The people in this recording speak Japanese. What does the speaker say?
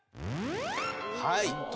はい。